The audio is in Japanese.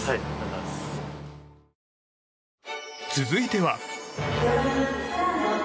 続いては。